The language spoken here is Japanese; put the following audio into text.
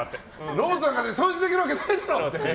ロボットなんかで掃除できるわけないだろ！って。